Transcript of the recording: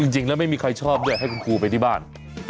จริงแล้วไม่มีใครชอบด้วยให้คุณครูไปที่บ้าน